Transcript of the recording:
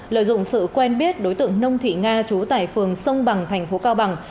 lợi dụng sự quen biết đối tượng nông thị nga trú tải phường sông bằng